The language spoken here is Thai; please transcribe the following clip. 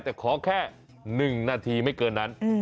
แต่ขอแค่๑นาทีไม่เกินนั้น